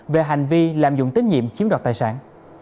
về hành vi lạm dụng tín nhiệm chiếm đoạt tài sản